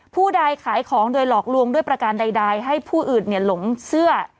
ผู้ใดขายของโดยหลอกลวงด้วยประการใดให้ผู้อื่นหลงเสื้อ